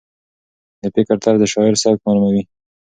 د فکر طرز د شاعر سبک معلوموي.